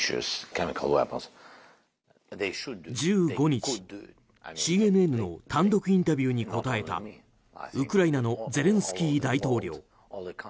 １５日、ＣＮＮの単独インタビューに答えたウクライナのゼレンスキー大統領。